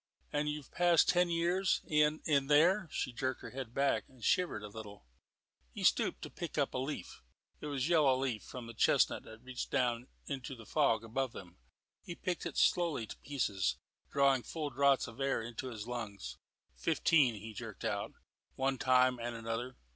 "And you've passed ten years in in there." She jerked her head back and shivered a little. He had stooped to pick up a leaf. It was a yellow leaf from a chestnut that reached into the fog above them. He picked it slowly to pieces, drawing full draughts of air into his lungs. "Fifteen," he jerked out, "one time and another.